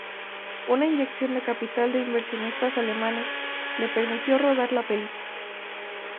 Una inyección de capital de inversionistas alemanes le permitió rodar la película.